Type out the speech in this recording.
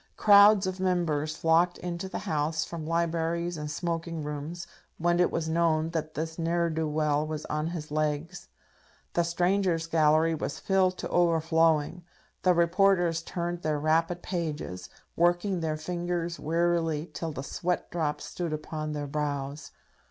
Crowds of Members flocked into the House from libraries and smoking rooms when it was known that this ne'er do well was on his legs. The Strangers' Gallery was filled to overflowing. The reporters turned their rapid pages, working their fingers wearily till the sweat drops stood upon their brows.